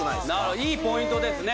いいポイントですね